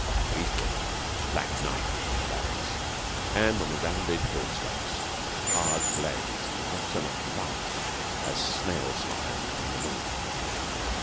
To eastward, black night among the valleys, and on the rounded hill slopes a hard glaze that is not so much light as snail slime from the moon.